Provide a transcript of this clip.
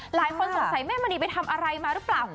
หลายคนสงสัยแม่มณีไปทำอะไรมาหรือเปล่า